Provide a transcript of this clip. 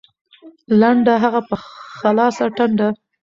لنډه هغه په خلاصه ټنډه